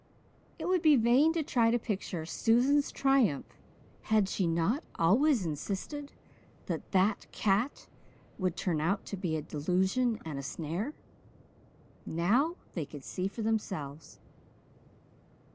It would be vain to try to picture Susan's triumph. Had she not always insisted that that cat would turn out to be a delusion and a snare? Now they could see for themselves!